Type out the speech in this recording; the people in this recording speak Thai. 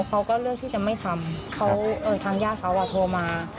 เขาก็เลือกที่จะไม่ทำทางญาติเขาโทรมา